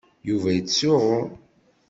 Yuba yettsuɣu.